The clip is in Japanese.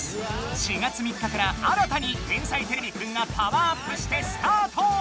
４月３日から新たに「天才てれびくん」がパワーアップしてスタート！